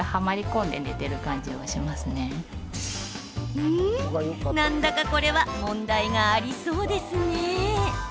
うーん、なんだかこれは問題がありそうですね。